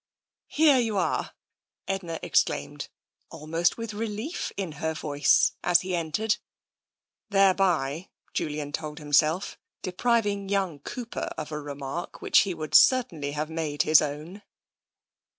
" Here you are !" Edna exclaimed, almost with re lief in her voice, as he entered, thereby, Julian told himself, depriving young Cooper of a remark which he would certainly have made his own.